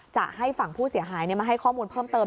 จะให้ฝั่งผู้เสียหายมาให้ข้อมูลเพิ่มเติม